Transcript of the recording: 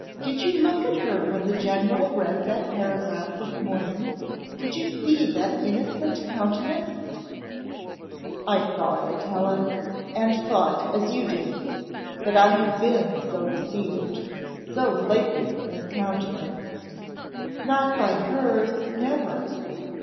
Did you look at her when the general read that paragraph this morning did you see that innocent countenance?" "I saw it, Helen, and thought as you did, but I have been so deceived so lately in countenance!" "Not by hers never."